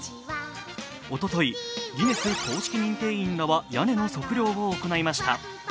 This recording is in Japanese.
おととい、ギネス公式認定員らは屋根の測量を行いました。